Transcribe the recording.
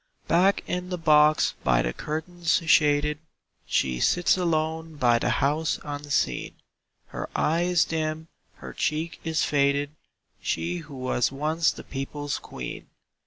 Back in the box by the curtains shaded, She sits alone by the house unseen; Her eye is dim, her cheek is faded, She who was once the people's queen.